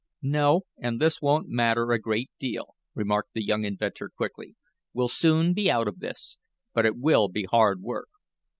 "No, and this won't matter a great deal," remarked the young inventor quickly. "We'll soon be out of this, but it will be hard work."